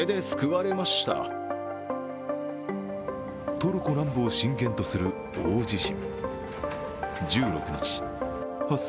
トルコ南部を震源とする大地震。